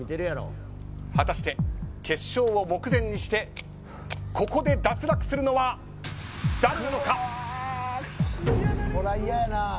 果たして、決勝を目前にしてここで脱落するのは誰なのか。